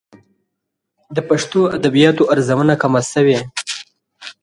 د پښتو ادبياتو ارزونه کمه شوې.